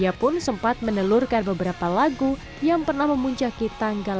ia juga sempat menelurkan beberapa lagu yang pernah memiliki pengalaman